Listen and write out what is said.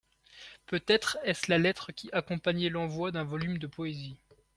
Peut-être est-ce la lettre qui accompagnait l'envoi d'un volume de poésie.